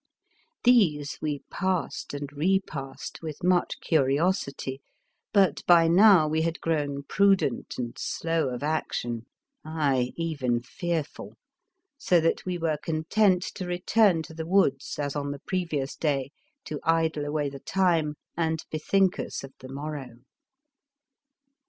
These we passed and repassed with much curiosity, but by now we had grown prudent and slow of action — 4* The Fearsome Island aye, even fearful, — so that we were content to return to the woods as on the previous day, to idle away the time and bethink us of the morrow.